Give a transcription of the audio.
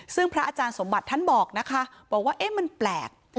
ซึ่งพระอาจารย์สมบัติท่านบอกนะคะบอกว่าเอ๊ะมันแปลก